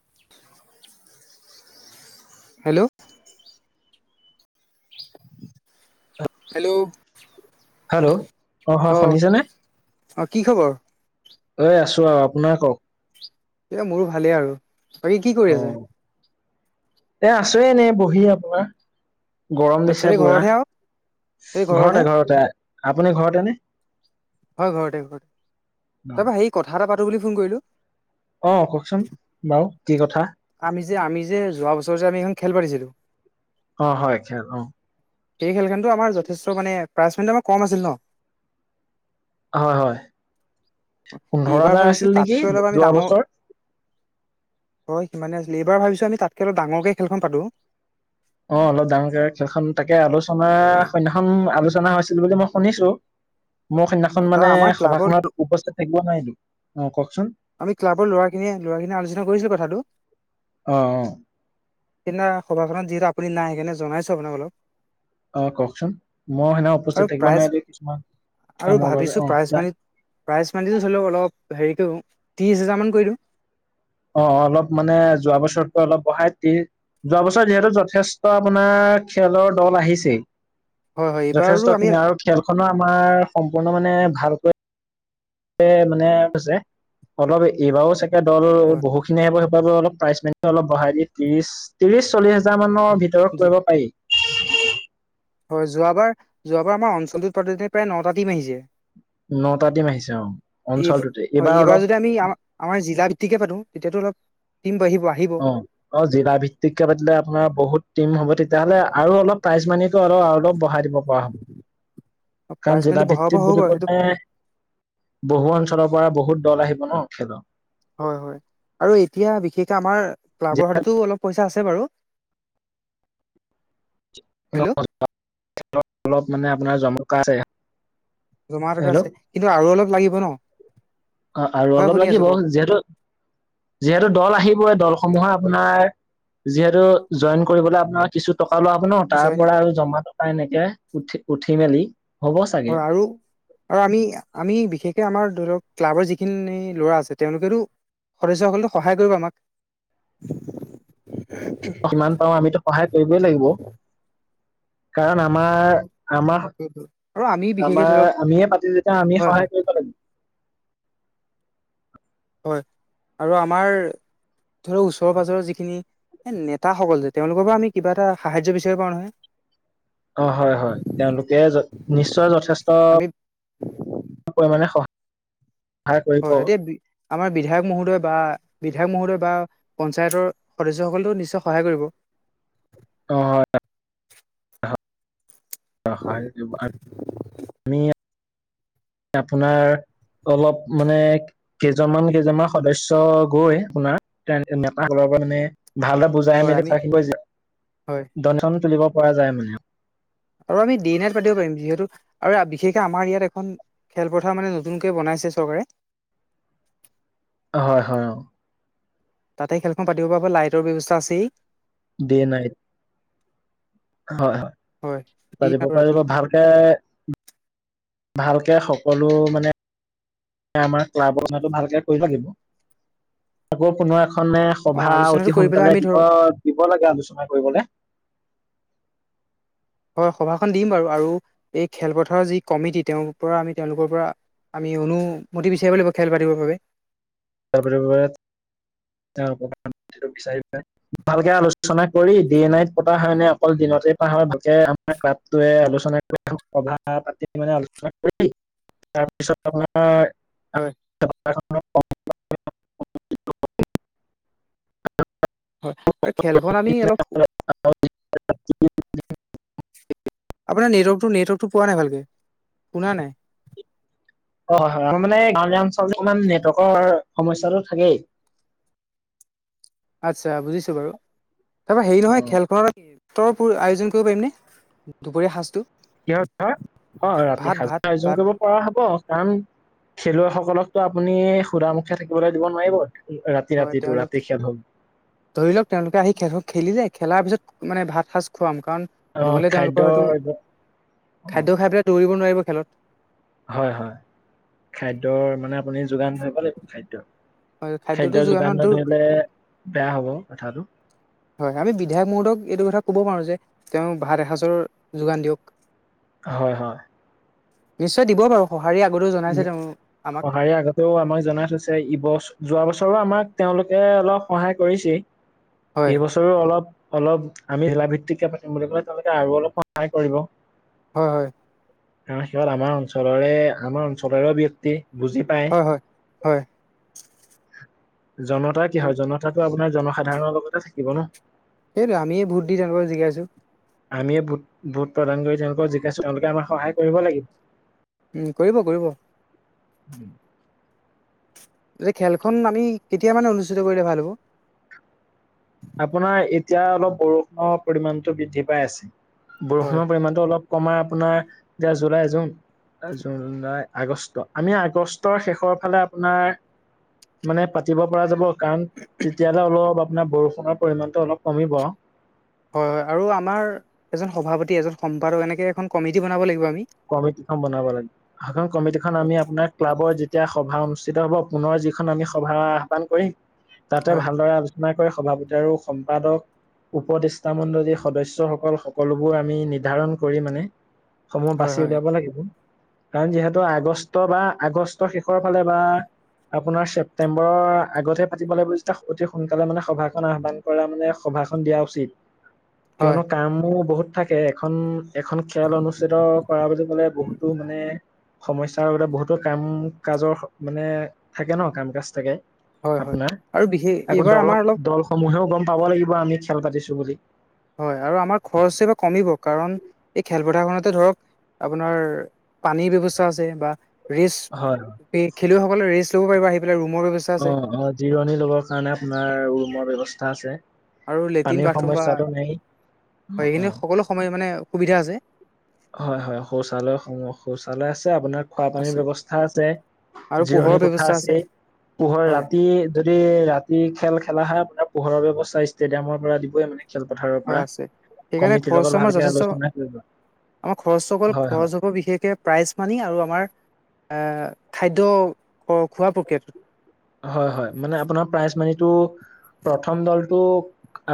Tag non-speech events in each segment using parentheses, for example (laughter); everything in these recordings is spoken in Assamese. (inaudible) হেল্ল'। হেল্ল'। অ' হয় শুনিছানে? অ কি খবৰ এ আছো আৰু আপোনাৰ কওঁক? এই মোৰো ভালেই আৰু বাকী কি অ কৰি আছে? এ আছো এনেই বহি আপোনাৰ গৰম আচ্ছা দিছে এই পুৰা। ঘৰতহে আৰু এই ঘৰতহে ঘৰতে, ঘৰতে, আপুনি ঘৰতে নে? হয় ঘৰতে, ঘৰতে। তাৰপৰা সেই কথা এটা পাতোঁ বুলি ফোন কৰিলোঁ। অ' কওকচোন বাৰু কি কথা? আমি যে আমি যে যোৱা বছৰ যে আমি এখন খেল পাতিছিলোঁ অ' হয়, অ' খেল সেই খেলখনটো আমাৰ যথেষ্ট মানে প্ৰাইজ মানিটো আমাৰ কম আছিল ন হয় হয় পোন্ধৰ এইবাৰ হাজাৰ আছিল ভাবিছো নেকি তাতকৈ অলপ আমি যোৱা ডাঙৰ বছৰ হয় সিমান আছিল, এইবাৰ ভাবিছো আমি তাতকৈ অলপ ডাঙৰকে খেলখন পাতোঁ। অ' অলপ ডাঙৰকে খেলখন তাকে আলোচনা অ সৈন্য়াখন আলোচনা হৈছিল বুলি মই শুনিছো। মোৰ সিদিনাখন তাৰ মানে আমাৰ ক্লাবৰ সভাখনত উপস্থিত থাকিব নোৱাৰিলো। অ' কওকচোন আমি ক্লাবৰ ল'ৰাখিনিয়ে, ল'ৰাখিনি আলোচনা কৰিছিলো কথাটো। অ অ সেইদিনা সভাখনত যিহেতো আপুনি নাই সেইকাৰণে জনাইছো আপোনাক অলপ। অ' কওকচোন মই সেইদিনা আৰু উপস্থিত থাকিব প্ৰাইজ নোৱাৰিলো কিছুমান কামৰ বাবে অ' (unintelligible) প্ৰাইজমানিটো ধৰিলওক অলপ হেৰি কৰো, ত্ৰিশ হাজাৰ মান কৰি দিওঁ। অ' অলপ মানে যোৱা বছৰতকৈ অলপ বঢ়াই দি যোৱা বছৰ যিহেতু যথেষ্ট আপোনাৰ খেলৰ দল আহিছেই হয় হয় এইবাৰো আমি যথেষ্টখিনি আৰু খেলখনো আমাৰ সম্পূৰ্ণ মানে ভালকৈ এ মানে (unintelligible) অলপ এইবাৰো চাগে এ দল হয় বহুখিনি আহিব সেইফালেও অলপ প্ৰাইজমানিটো অলপ বঢ়াই দি ত্ৰিশ, ত্ৰিশ চলিছ (unintelligible) মানৰ ভিতৰত কৰিব পাৰি। হয় যোৱাবাৰ, যোৱাবাৰ আমাৰ অঞ্চলটোত প্ৰায় নটা টিম আহিছে। নটা টীম আহিছে অ' এই অঞ্চলটোতে। হয় এইবাৰ অলপ যদি আমি আমাৰ জিলা ভিত্তিকে পাটো তেতিয়াতো অলপ টীম বাঢ়িব, আহিব অ অ' জিলাভিত্তিকে পাতিলে আপোনাৰ বহুত টিম হ'ব। তেতিয়াহ'লে আৰু অলপ প্ৰাইজ মানিটো অলপ অলপ বঢ়াই দিব পৰা হ'ব। প্ৰাইজ কাৰণ জিলা মানিটো বঢ়াব ভিত্তিত হ'ব বুলি বাৰু সেইটো ক'লে বহু অঞ্চলৰ পৰা বহুত দল আহিব ন খেলৰ হয় হয় আৰু এতিয়া বিশেষকে আমাৰ ক্লাবৰ হাততো অলপ পইচা আছে বাৰু। হেল্ল'। (unintelligible) অলপ মানে আপোনাৰ জমকা আছে জমা টকা হেল্ল' আছে, কিন্তু আৰু অলপ লাগিব ন। অ' আৰু হয় অলপ শুনি আছো লাগিব কওক যিহেতু যিহেতু দল আহিবই, দলসমূহে আপোনাৰ যিহেতু জইন কৰিবলৈ আপোনাৰ কিছু টকা ওলাব ন তাৰ জইন পৰা আৰু জমা টকা এনেকে উঠি, উঠি মেলি হ'ব চাগে হয় আৰু আৰু আমি আমি বিশেষকে আমাৰ ধৰি লওক ক্লাবৰ যিখিনি ল'ৰা আছে তেওঁলোকেতো। সদস্য সকলেটো সহায় কৰিব আমাক। যিমান পাউ আমিতো সহায় কৰিবই লাগিব। কাৰণ আমাৰ আমা আৰু আমি বিশেষকে আমাৰ ধৰি লওক আমিয়ে পাটো যেতিয়া আমি হয় হয় সহায় কৰিব লাগিব। হয় আৰু আমাৰ ধৰক ওচৰ পাজৰৰ যিখিনি এ নেতাসকল যে, তেওঁলোকৰ পৰা আমি কিবা এটা সাহাৰ্য্য বিচাৰি পাও নহয়। অঁ হয় হয়, তেওঁলোকে নিশ্চয় যথেষ্ট আমি পৰিমানে সহ হয় এতিয়া আমাৰ বিধায়ক মহোদয় বা বিধায়ক মহোদয় বা পঞ্চায়তৰ সদস্যসকলেটো নিশ্চয় সহায় কৰিব। অ হয়। অ হয় তোমাক আপোনাৰ অলপ মানে কেইজনমান কেইজনমান সদস্য গৈ আপোনাৰ নেতাসকলৰ পৰা মানে ভালদৰে বুজাই হয় মেলি আমি থাকিবই যে, হয় দনেচন তুলিব পৰা যায় মানে। আৰু আমি ডে নাইট পাতিব পাৰিম যিহেতু আৰু বিশেষকে আমাৰ ইয়াত এখন খেলপথাৰ মানে নতুনকে বনাইছে চৰকাৰে হয় হয় অ। তাতে খেলখন পাতিব বাৱে লাইটৰ ব্যৱস্থা আছেই। Day night. হয় হয় দিন পাটিব আৰু ৰাতি পাৰিব ভালকে। ভালকে সকলো মানে আমাৰ ক্লাবৰ মানু ভালকে কৰিব লাগিব। আকৌ কোনো এখনে অ সভা আলোচনাটো অতি কৰি পেলাই সোনকালে আমি দিব ধৰক দিব লাগে আলোচনা কৰিবলে। হয় সভাখন দিম বাৰু আৰু এই খেলপথাৰৰ যি কমিটি তেওঁৰ পৰা আমি তেওঁলোকৰ পৰা। আমি অনুমতি বিচাৰিব লাগিব খেল পাতিবৰ বাবে। (unintelligible) ভালকে আলোচনা কৰি ডে-নাইট পতা হয় নে, অকল দিনতে পতা হয় ভালকে। ক্লাবটোৱে আলোচনা সভাপাতি মানে আলোচনা কৰি। তাৰপিছত আপোনাৰ হয় (inaudible) (unintelligible) হয় আৰু খেলখন আমি অলপ (unintelligible) আপোনাৰ নেটৱৰ্কটো নেটৱৰ্কটো পোৱা নাই ভালকে, শুনা নাই। হয় হয় আমা মানে গাঁৱলীয়া অঞ্চলত ইমান নেটৱৰ্কৰ সমস্যাটো থাকেই। আচ্ছা বুজিছো বাৰু তাৰপৰা হেৰি নহয় খেলখন আয়োজন কৰিব পাৰিমনে? দুপৰীয়া সাজটো (unintelligible) কৰা হব ভাত কাৰণ ভাত খেলুৱৈসকলকতো আপুনি সুধা মুখে থাকিবলৈ দিব নোৱাৰিব। ৰাতি হয় ৰাতিটো তেওঁলোক ৰাতি খেল হ'ব ধৰি লওক তেওঁলোকে আহি খেল খন খেলিলে খেলাৰ পিছত মানে ভাত সাঁজ খুৱাম কাৰণ অ নহলে তেওঁলোকৰ হয়তো। খাদ্যৰ অ খাদ্য খাই পেলাই দৌৰিব নোৱাৰিব খেলত। হয় হয় খাদ্যৰ মানে আপুনি যোগান ধৰিব লাগিব খাদ্য। হয় খাদ্যটো খাদ্য যোগান যোগানত দূৰ নধৰিলে বেয়া হ'ব কথাটো। হয়, আমি বিধায়ক মহোদয়ক এইটো কথা ক'ব পাৰো যে তেওঁ ভাত এসাঁজৰ যোগান দিয়ক। হয় হয়। নিশ্চয় দিব বাৰু। সঁহাৰি আগতো সঁহাৰি আ তো আমাক জনাইছ থৈছে ইবছ, যোৱা বছৰো আমাক তেওঁলোকে অলপ সহায় কৰিছে। এই হয় বছৰো অলপ, অলপ আমি জিলা ভিত্তিকে পাতিম বুলি ক'লে তেওঁলোকে আৰু অলপ সহায় কৰিব। হয় হয়। সিহঁত আমাৰ অঞ্চলৰে আমাৰ অঞ্চলৰে ব্যয়ক্তি বুজি পায়। হয় হয়। জনতা কি আৰু হয় জনতাটো আপোনাৰ জনসাধাৰণৰ লগতে থাকিব ন'। সেইটোৱে, আমিয়ে ভোট দি তেওঁলোকক জিকাইচো। আমিয়ে ভোট-ভোট প্ৰদান কৰি তেওঁলোকক জিকাইচো তেওঁলোকে আমাক সহায় কৰিব লাগিব। উমঁ' কৰিব কৰিব।। উমঁ। খেলখন আমি কেতিয়া মানে অনুষ্ঠিত কৰিলে ভাল হ'ব? আপোনাৰ এতিয়া অলপ বৰষুণৰ পৰিমানটো বৃদ্ধি পাই আছে। হয় বৰষুণৰ পৰিমাণটো অলপ কমায় আপোনাৰ (unintelligible) জুলাই জুন (unintelligible) আগষ্ট, আমি আগষ্টৰ শেষৰ ফালে আপোনাৰ মানে পাতিব পৰা যাব কাৰণ তেতিয়ালে অলপ আপোনাৰ বৰষুণ পৰিমাণটো অলপ কমিব আৰু। হয় হয় আৰু আমাৰ এজন সভাপতি, এজন সম্পাদক এনেকে এখন কমিটি বনাব লাগিব আমি। কমিটি খন বনাব লাগে। সেখন কমিটিখন হয় আমি আপোনাৰ ক্লাবৰ যি তিয়া সভা অনুষ্ঠিত হ'ব পুনৰ যিখন আমি সভা আহ্বান কৰিম তাতে হয় ভালদৰে আলোচ না কৰি সভাপতি আৰু সম্পাদক উপদেষ্টা মণ্ডল যি সদস্যসকল সকলোবোৰ আমি নিৰ্ধাৰণ কৰি মানে- সমূহ হয় বাচি হয় উলিয়াব লাগিব। কাৰণ যিহেতু আগষ্ট বা আগষ্টৰ শেষৰ ফালে বা আপোনাৰ ছেপ্তেম্বৰৰ আগতহে পাতিব লাগিব যেতিয়া অতি সোনকালে মানে সভাখন আহ্বান পৰা মানে সভাখন দিয়া উচিত। (unintelligible) কিয়নো কামবোৰো বহুত থাকে, এখন-এখন খেল অনুষ্ঠিত কৰাবলৈ গ'লে বহুতো মানে সমস্যাৰ লগতে বহুতো কাম-কাজৰ মানে থাকে ন' কাম-কাজ থাকে। হয় হয় আপোনাৰ, আৰু বিশেষ আকৌ এইবাৰ আমাৰ অলপ দলক দলসমূহেও গম পাব লাগিব আমি খেল পাতিছোঁ বুলি। হয় আৰু আমাৰ খৰচ এইবাৰ কমিব কাৰণ এই খেলপথাৰখনতে ধৰক আপোনাৰ পানীৰ ব্যৱস্থা আছে বা ৰেষ্ট, হয় হয়। খেলুৱৈসকলে ৰেষ্ট ল'ব পাৰিব আহি পেলাই ৰুমৰ ব্যৱস্থা আছে অহ'-অহ' জিৰণি ল'বৰ কাৰণে আপোনাৰ ৰুমৰ ব্যৱস্থা আছে। আৰু লেট্ৰিন পানীৰ বাথৰুম বা সমস্যাটো নাই হয়, অ', সেইখিনি অ', সকলো সময় মানে সুবিধা আছে। হয় হয়, শৌচালয়সমূহ, শৌচালয় আছে আপোনাৰ খোৱা পানীৰ আছে ব্যৱস্থা আছে। আৰু জিৰণি পোহৰৰ কোথা ব্যৱস্থা আছে, পোহৰ হয় ৰাতি যদি ৰাতি খেল খেলা হয় আপোনাৰ পোহৰৰ ব্যৱস্থা ষ্টেডিয়ামৰ পৰা দিবই মানে। খেলপথাৰৰ হয় পৰা, আছে সেইকাৰণে কমিটিৰ খৰচটো লগত আমাৰ ভালকে যথেষ্ট আলোচনা কৰিব। আমাৰ খৰচ অকল, হয়, হয়। খৰচ হব বিশেষকে প্ৰাইজ মানি আৰু আমাৰ খাদ্য, খোৱা প্ৰক্ৰিয়াত। হয়, হয়। মানে আপোনাৰ প্ৰাইজ মানিটো, প্ৰথম দলটো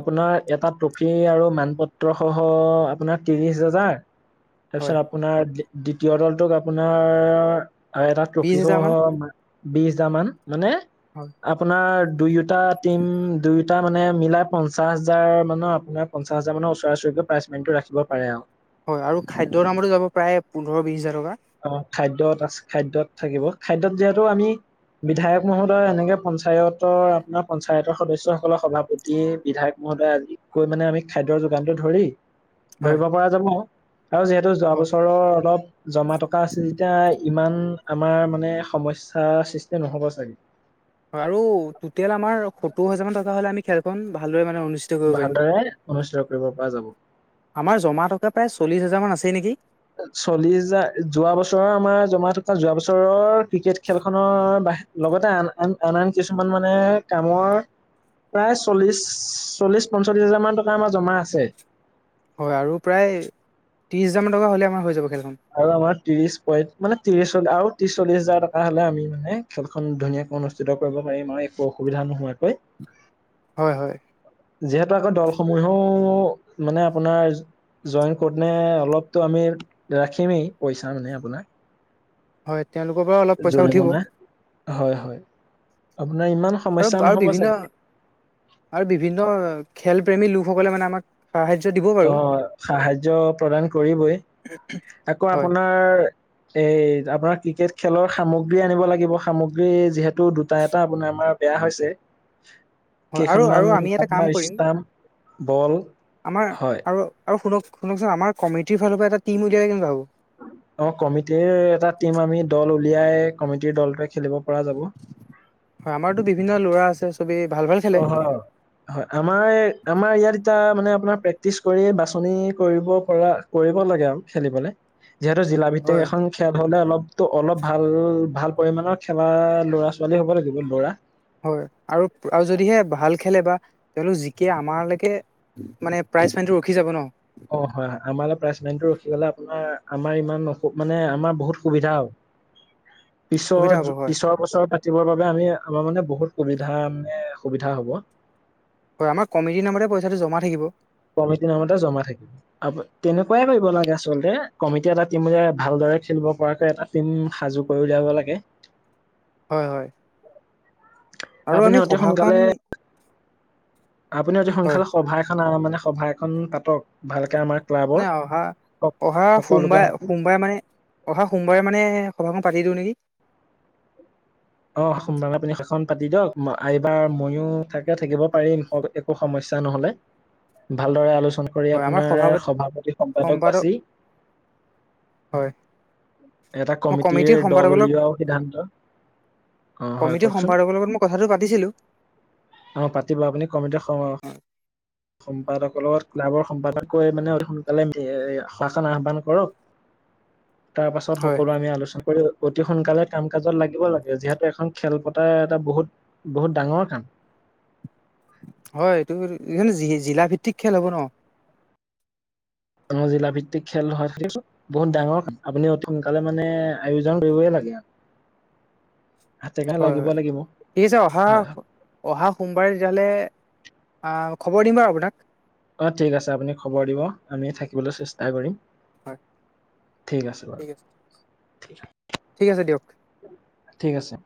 আপোনাৰ এটা ট্ৰফি আৰু মানপত্ৰসহ আপোনাৰ ত্ৰিশ হাজাৰ। হয় তাৰপিছত আপোনাৰ দ্বিতীয় দলটোক আপোনাৰ, এটা বিশ ট্ৰফি হাজাৰ মান সহ বিশ হাজাৰ মান মানে হয়। আপোনাৰ দুয়োটা টিম, দুয়োটা মানে মিলাই পঞ্চাছ হাজাৰ মানৰ আপোনাৰ পঞ্চাছ হাজাৰ মানৰ ওচৰা ওচৰিকৈ প্ৰাইজ মানিটো ৰাখিব পাৰে আৰু। হয়। আৰু খাদ্যৰ নামতো যাব প্ৰায় পোন্ধৰ বিশ হাজাৰ টকা। অ, খাদ্যত তাৰ পাছত, খাদ্যত থাকিব, খাদ্যত যিহেতু আমি বিধায়ক মহোদয় এনেকে পঞ্চায়তৰ, আপোনাৰ পঞ্চায়তৰ সদস্যসকলৰ সভাপতি তিয়ে, বিধায়ক মহোদয় আজি কৈ মানে আমি খাদ্যৰ যোগানটো ধৰি হয় ধৰিব পৰা যাব আৰু যিহেতু যোৱা হয় বছৰৰ অলপ জমা আছে যেতিয়া ইমান আমাৰ মানে সমস্যাৰ সৃষ্টি নহ'ব চাগে। হয় আৰু টোটেল আমাৰ সত্তৰ হাজাৰ মান টকা হ'লে আমি খেলখন ভালদৰে মানে অনুষ্ঠিত কৰিব পাৰিম। ভালদৰে অনুষ্ঠিত কৰিব পৰা যাব। আমাৰ জমা টকা প্ৰায় চল্লিছ হাজাৰমান আছে নেকি? চল্লিশ হাজাৰ, যোৱা বছৰৰ আমাৰ জমা থকা যোৱা বছৰৰ ক্ৰিকেট খেলখনৰ বাহি লগতে আন-আন, আন-আন কিছুমান মানে কামৰ প্ৰায় চল্লিশ, চল্লিশ, পঞ্চল্লিশ হাজাৰ মান টকা আমাৰ জমা আছে। হয় আৰু প্ৰায় ত্ৰিছ হাজাৰমান টকা হ'লে আমাৰ হৈ যাব খেলখন। আৰু আমাৰ ত্ৰিশ পইণ্ট, মানে ত্ৰিশ চ, আৰু ত্ৰশ চল্লিশ হাজাৰ টকা হলে আমি মানে খেলখন ধুনীয়াকৈ অনুষ্ঠিত কৰিব পাৰিম আৰু একো অসুবিধা নোহোৱাকৈ। হয়, হয়। যিহেতু আকৌ দলসমূহেও মানে আপোনাৰ জইন কৰোতে অলপতো আমি ৰাখিমেই পইচা মানে আপোনাৰ। হয়, তেওঁলোকৰ পৰাও অলপ পইচা উঠিব। জৰিমনা হয়, হয়। আপোনাৰ ইমান আৰু, সমস্যা আৰু নহ'ব চাগে বিভিন্ন, আৰু বিভিন্ন খেল প্ৰেমী লোকসকলে মানে আমাক সাহাৰ্য দিব অ, বাৰু সাহায্য প্ৰদান কৰিবই, আকৌ হয় আপোনাৰ এই, আপোনাৰ ক্ৰিকেট খেলৰ সামগ্ৰী আনিব লাগিব, সামগ্ৰী যিহেতু দুটা এটা আপোনাৰ আমাৰ বেয়া হৈছে, হয় আৰু আৰু কেইখনমান আমি এটা কাম আপোনাৰ কৰিম ষ্টাম্প, বল আমাৰ হয়। আৰু, আৰু শুনক শুনকচোন, আমাৰ কমিটিৰ ফালৰ পৰা এটা টিম উলিয়ালে কেনেকুৱা হ'ব? অ, কমিটিৰ এটা টিম আমি দল উলিয়াই কমিটিৰ দলটোৱে খেলিব পৰা যাব। হয়। আমাৰটো বিভিন্ন লৰা আছে, চবে ভাল ভাল খেলে (unintelligible) হয়। আমাৰ, আমাৰ ইয়াত এতিয়া মানে আপোনাৰ প্ৰেক্টিচ কৰি বাছনি কৰিব পৰা কৰিব লাগে আৰু খেলিবলৈ, যিহেতু জিলা ভিত্তিক হয় এখন খেল হলে অলপটো অলপ ভাল, ভাল পৰিমণৰ খেলা ল'ৰা-ছোৱালী হ'ব লাগিব ল'ৰা। হয়। আৰু আৰু যদিহে ভাল খেলে বা তেওঁলোক জিকে আমালৈকে মানে প্ৰাইজ ফাইণ্টো ৰখি যাব ন। অ, হয়, হয়। আমাৰলৈ প্ৰাইচমেনটো ৰখি গলে আপোনাৰ আমাৰ ইমান অসু, মানে আমাৰ বহুত সুবিধা হ'ব। (inaudible) হ'ব হয় পিছৰ-পিছৰ বছৰ পাতিবৰ বাবে আমি আমাৰ মানে বহুত সুবিধা মানে সুবিধা হ'ব। হয়, আমাৰ কমিটিৰ নামতে পইচাটো জমা থাকিব। কমিটি নামতে জমা থাকিব। তেনেকুৱাই কৰিব লাগে আচলতে, কমিটি এটা টিমো যে ভালদৰে খেলিব পৰাকৈ এটা টিম সাজু কৰি উলিয়াব লাগে। হয় হয় আৰু আপুনি আমি অতি সভাখন সোনকালে আপুনি অতি হয় সোনকালে সভা এখন মানে সভা এখন পাতক। ভালকে আমাৰ ক্লাবৰ নাই অহা, সক- অহা সকলোকে সোমবাৰে মাতি সোমবাৰে মানে অহা সোমবাৰে মানে সভাখন পাতি দিও নেকি। অ', সোমবাৰে আপুনি সেইখন পাতি দিয়ক এইবাৰ ময়ো থাকে থাকিব পাৰিম। একো সমস্যা নহ'লে, ভালদৰে আলোচনা কৰি হয় আমাৰ আপোনাৰ সভাপতি সম্পাদক বাচি হয় এটা মই কমিটিৰ দল সম্পাদকৰ উলিওৱা সিদ্ধান্ত অ হয় কমিটি কওকচোন সম্পাদকৰ লগত মই কথাটো পাতিছিলো। অ', পাতিবা আপুনি কমিট খ (inaudible) সম্পাদকৰ লগত ক্লাবৰ সম্পাদক মানে অতি সোনকালে সভাখন আহ্বান কৰক। তাৰ পাছত হয় সকলো আমি আলোচনা কৰোঁ। অতি সোনকালে কাম কাজত লাগিব লাগে, যিহেতু এখন খেল পতাৰ এটা বহুত-বহুত ডাঙৰ কাম। হয়, এইটো এই জি-জিলা ভিত্তিক খেল হব ন। অ', জিলা ভিত্তিক খেল হয় (unintelligible) বহুত ডাঙৰ আপুনি অতি সোনকালে মানে আয়োজন কৰিবই লাগে আৰু। হয় লাগিব হয়, লাগিব ঠিক আছে অহা হয় হয় অহা সোমবাৰে তেতিয়া হলে আহ, খবৰ দিম বাৰু আপোনাক। অ', ঠিক আছে আপুনি খবৰ দিব আমি থাকিবলৈ চেষ্টা কৰিম। হয় ঠিক আছে বাৰু। ঠিক আছে দিয়ক ঠিক আছে।